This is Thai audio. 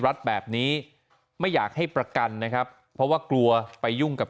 รัฐแบบนี้ไม่อยากให้ประกันนะครับเพราะว่ากลัวไปยุ่งกับ